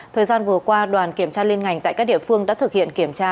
thời gian vừa qua đoàn kiểm tra liên ngành tại các địa phương đã thực hiện kiểm tra